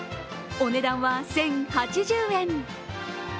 お値段は１０８０円。